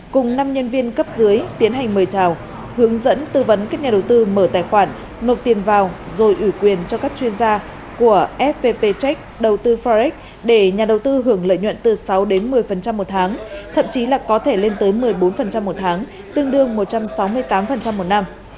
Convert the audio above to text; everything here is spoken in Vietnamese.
cùng năm nhân viên cấp dưới tiến hành mời trào hướng dẫn tư vấn các nhà đầu tư mở tài khoản nộp tiền vào rồi ủy quyền cho các chuyên gia của fpp check đầu tư forex để nhà đầu tư hưởng lợi nhuận từ sáu đến một mươi một tháng thậm chí là có thể lên tới một mươi bốn một tháng tương đương một trăm sáu mươi tám một năm